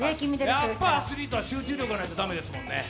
アスリートは集中力ないとだめですもんね。